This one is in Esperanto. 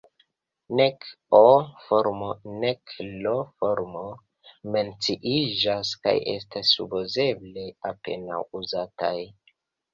Nek O-formo, nek I-formo menciiĝas, kaj estas supozeble apenaŭ uzataj.